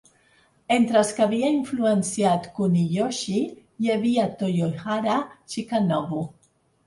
Entre els que havia influenciat Kuniyoshi, hi havia Toyohara Chikanobu.